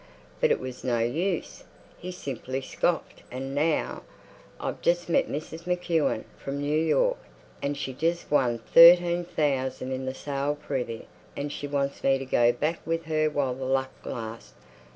But it was no use. He simply scoffed.... And now I've just met Mrs. MacEwen from New York, and she just won thirteen thousand in the Salle Privée—and she wants me to go back with her while the luck lasts.